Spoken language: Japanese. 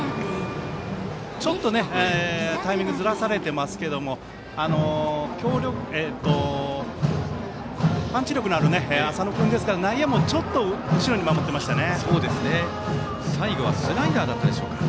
ちょっとタイミングずらされてますけどもパンチ力のある浅野君ですから内野もちょっと後ろに守ってましたね。